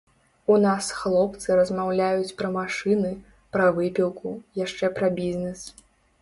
У нас хлопцы размаўляюць пра машыны, пра выпіўку, яшчэ пра бізнес.